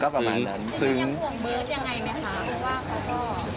คือจะยังห่วงเบิร์ตยังไงมั้ยคะ